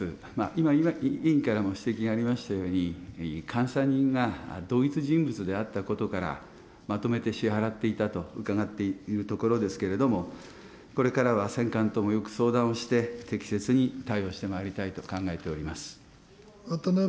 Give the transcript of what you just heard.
今、委員からもご指摘がありましたように、監査人が同一人物であったことからまとめて支払っていたと伺っているところですけれども、これからは選管ともよく相談して、適切に対応してまいりたいと考えております。